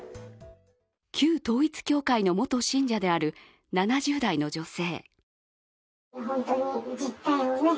旧統一教会の元信者である７０代の女性。